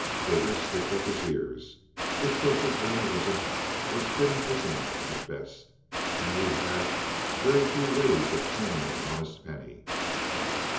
Biggers pricked up his ears. This social journalism was thin picking at best, and he had very few ways of turning an honest penny.